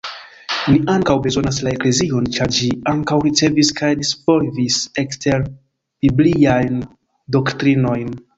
Ni ankaŭ bezonas la eklezion, ĉar ĝi ankaŭ ricevis kaj disvolvis ekster-bibliajn doktrinojn.